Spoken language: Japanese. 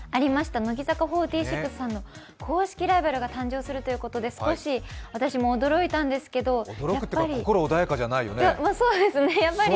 乃木坂４６さんの公式ライバルが誕生するということで、少し、私も驚いたんですが心穏やかじゃないよねそわそわしちゃうよね。